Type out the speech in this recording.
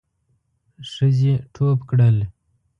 ښځې ټوپ کړل.